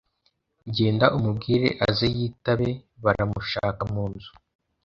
genda umubwire aze yitabe bara mushaka munzu